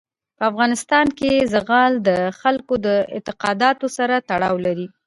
په افغانستان کې زغال د خلکو د اعتقاداتو سره تړاو لري.